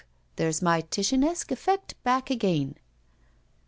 there's my Titianesque effect back again.